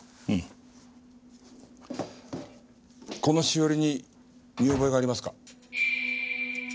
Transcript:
このしおりに見覚えがありますか？